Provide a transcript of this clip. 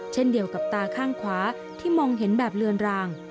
เช่นเดียวกับตาข้างขวาที่มองเห็นแบบเลือนราง